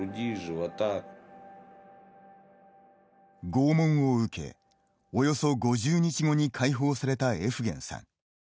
拷問を受け、およそ５０日後に解放されたエフゲンさん。